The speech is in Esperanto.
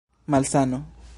malsamo